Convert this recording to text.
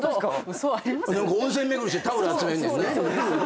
温泉巡りしてタオル集めんねんね。